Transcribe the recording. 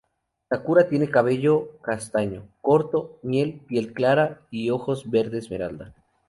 Sakura tiene cabello castaño corto, miel, piel clara y ojos verde esmeralda.